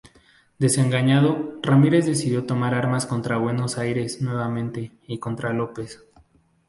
Desengañado, Ramírez decidió tomar armas contra Buenos Aires nuevamente y contra López.